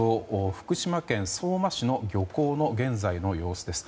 福島県相馬市の漁港の現在の様子です。